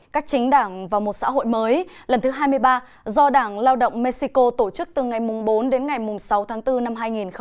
cách chính đảng vào một xã hội mới lần thứ hai mươi ba do đảng lao động mexico tổ chức từ ngày bốn đến sáu tháng bốn năm hai nghìn một mươi chín